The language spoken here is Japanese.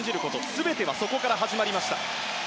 全てがそこから始まりました。